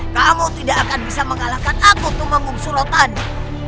kamu tidak akan bisa mengalahkan aku tumenggung surotani